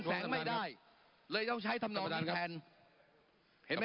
เห็นไหมครับ